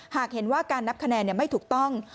หากเห็นว่าการนับคะแนนไม่ถูกต้อง